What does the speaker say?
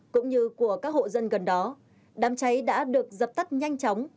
cũng như của các hộ dân gần đó đám cháy đã được dập tắt nhanh chóng